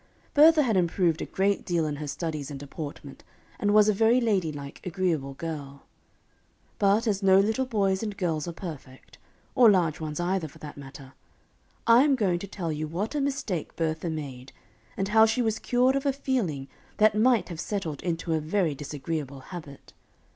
Bertha had improved a great deal in her studies and deportment, and was a very lady like, agreeable girl. But as no little boys and girls are perfect, or large ones either, for that matter, I am going to tell you what a mistake Bertha made, and how she was cured of a feeling that might have settled into a very disagreeable habit.